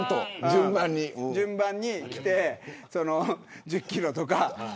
順番に来て１０キロとか。